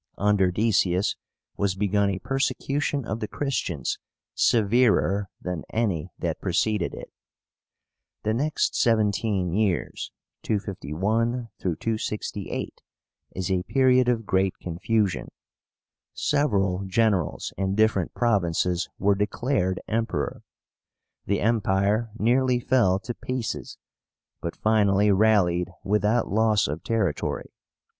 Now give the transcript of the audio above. Under Decius was begun a persecution of the Christians severer than any that preceded it. The next seventeen years (251 268) is a period of great confusion. Several generals in different provinces were declared Emperor. The Empire nearly fell to pieces, but finally rallied without loss of territory.